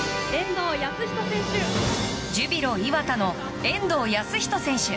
ジュビロ磐田の遠藤保仁選手。